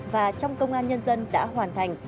và trong công an nhân dân đã hoàn thành